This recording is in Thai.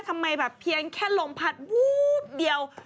ทำไมแบบเพียงแค่ลมพัดวูบเดียว